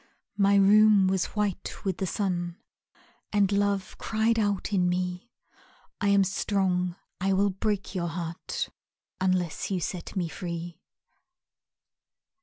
My room was white with the sun And Love cried out in me, "I am strong, I will break your heart Unless you set me free."